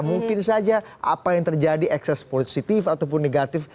mungkin saja apa yang terjadi ekses positif ataupun negatif